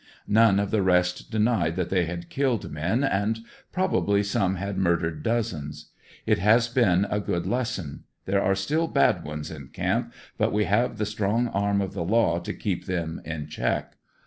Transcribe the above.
None of the rest denied that they had killed men, and probably some had mur dered dozens. It has been a good lesson ; there are still bad ones in camp but we have the strong arm of the law to keep them in check.